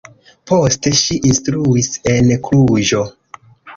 Poste ŝi instruis en Kluĵo.